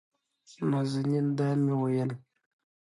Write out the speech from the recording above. نازنين: دا مې وېل